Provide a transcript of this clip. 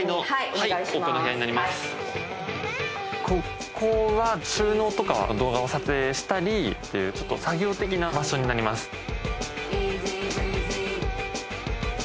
ここは収納とか動画を撮影したりっていう作業的な場所になります。